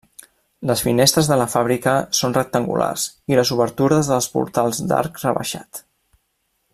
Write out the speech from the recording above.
Les finestres de la fàbrica són rectangulars i les obertures dels portals d'arc rebaixat.